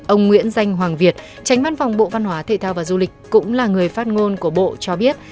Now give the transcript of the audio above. ông nguyễn danh hoàng việt tránh văn phòng bộ văn hóa thể thao và du lịch cũng là người phát ngôn của bộ cho biết